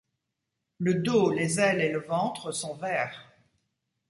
Le dos, les ailes et le ventre sont verts.